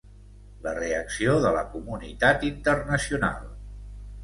La reacció de la comunitat internacional.